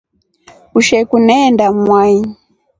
Usheku neenda mwai.